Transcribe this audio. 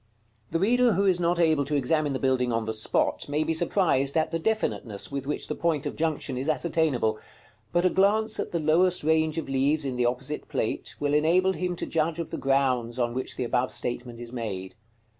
§ CXXX. The reader who is not able to examine the building on the spot may be surprised at the definiteness with which the point of junction is ascertainable; but a glance at the lowest range of leaves in the opposite Plate (XX.) will enable him to judge of the grounds on which the above statement is made.